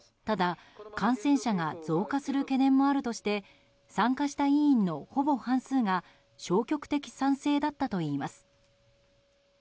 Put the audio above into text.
ただ、感染者が増加する懸念もあるとして参加した委員のほぼ半数が消極的賛成だったといいます。